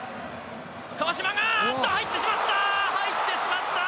川島があっと入ってしまった。